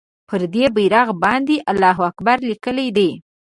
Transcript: پر دې بېرغ باندې الله اکبر لیکلی دی.